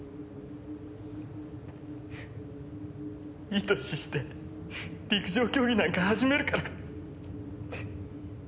いい年して陸上競技なんか始めるから。